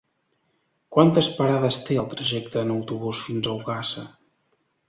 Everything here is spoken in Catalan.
Quantes parades té el trajecte en autobús fins a Ogassa?